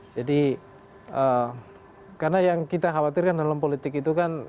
jadi karena yang kita khawatirkan dalam politik itu kan